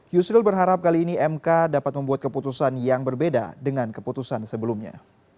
yusril berharap kali ini mk dapat membuat keputusan yang berbeda dengan keputusan sebelumnya